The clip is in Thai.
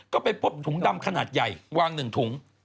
ก็ไปพบถุงดำขนาดใหญ่วาง๑ถุง